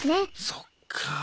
そっか。